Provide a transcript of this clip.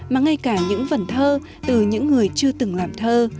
mà ngay cả những vần thơ từ những người chưa từng làm thơ